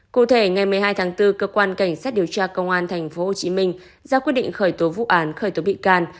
cụ thể ngày một mươi hai tháng bốn cơ quan cảnh sát điều tra công an tp hcm ra quyết định khởi tố vụ án khởi tố bị can